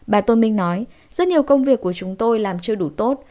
bà tôn minh nói rất nhiều công việc của chúng tôi làm chưa đủ tốt